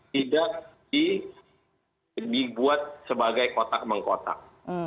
tidak dibuat sebagai kotak mengkotak